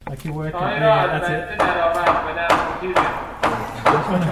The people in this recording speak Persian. چای را از بسته درآورد و در قوطی ریخت.